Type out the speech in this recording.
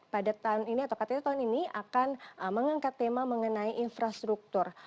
pada tahun ini atau ktt tahun ini akan mengangkat tema mengenai infrastruktur